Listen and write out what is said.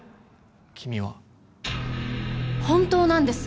君は本当なんです